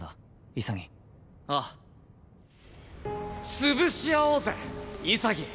潰し合おうぜ潔。